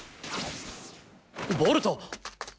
ボルト！